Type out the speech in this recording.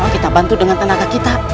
kita bantu dengan tenaga kita